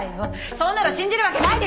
そんなの信じるわけないでしょ！